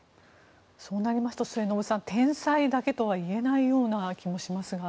そうなりますと末延さん天災だけとは言えないような気もしますが。